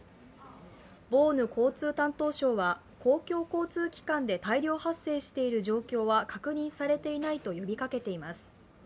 ボーヌ交通担当相は公共交通機関で大量発生している状況は確認されていないと呼びかけています。